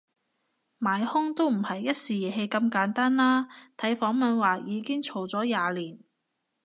買兇都唔係一時意氣咁簡單啦，睇訪問話已經嘈咗廿年